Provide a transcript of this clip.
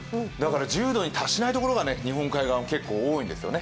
１０度に達しないところが日本海側は結構多いんですよね。